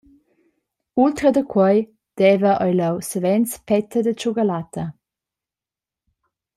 Ultra da quei deva ei leu savens petta da tschugalata.